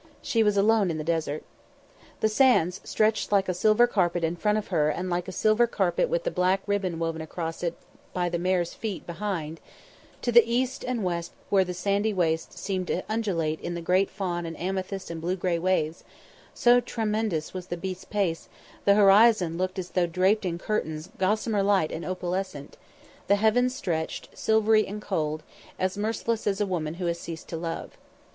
She was alone in the desert. The sands, stretched like a silver carpet in front of her and like a silver carpet with the black ribbon woven across it by the mare's feet behind; to the east and west the sandy waste seemed to undulate in great fawn and amethyst and grey blue waves, so tremendous was the beast's pace; the horizon looked as though draped in curtains gossamer light and opalescent; the heavens stretched, silvery and cold, as merciless as a woman who has ceased to love.